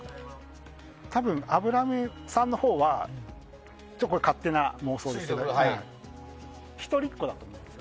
多分、油目さんのほうはこれは勝手な妄想ですけど一人っ子だと思うんです。